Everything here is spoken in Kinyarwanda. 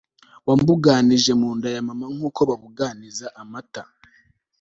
wambuganije mu nda ya mama nk'uko babuganiza amata